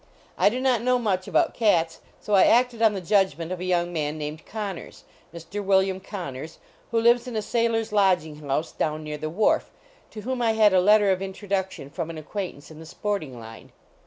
I do not know much about cats, so I acted on the judgment of a young man named Connors, Mr. William Connors, who lives in a sailors lodging house down near the wharf, to whom I had a letter of introduction from an acquaintance in the sporting line.